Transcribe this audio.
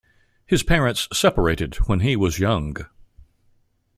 His parents separated when he was young.